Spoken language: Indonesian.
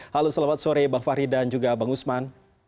halo selamat sore bang fahri dan juga bang usman